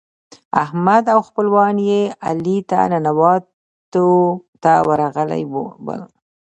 احمد او خپلوان يې علي ته ننواتو ته ورغلي ول.